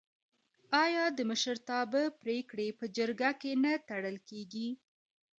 آیا د مشرتابه پګړۍ په جرګه کې نه تړل کیږي؟